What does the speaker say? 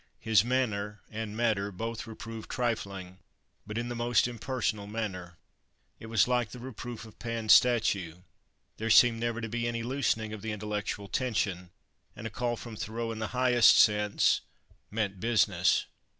His manner and matter both reproved trifling, but in the most impersonal manner. It was like the reproof of Pan's statue. There seemed never to be any loosening of the intellectual tension, and a call from Thoreau in the highest sense "meant business."